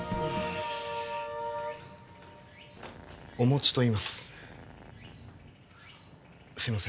おもちといいます